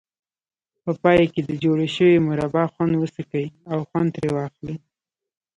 په پای کې د جوړې شوې مربا خوند وڅکئ او خوند ترې واخلئ.